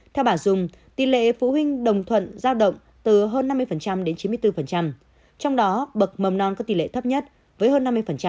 theo bà dung tỷ lệ phụ huynh đồng thuận giao động từ hơn năm mươi đến chín mươi bốn trong đó bậc mầm non có tỷ lệ thấp nhất với hơn năm mươi